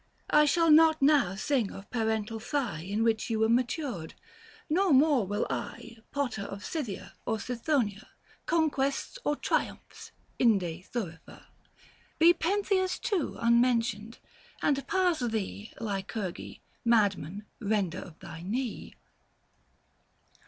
I shall not now sing of parental thigh In which you were matured : nor more will I Potter of Scythia or Sithonia, 770 Conquests or triumphs, Inde Thurifer ! Be Pentheus too unmentioned, and pass thee Lycurge — madman, render of thy knee.